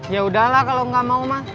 yaudah lah kalau gak mau mah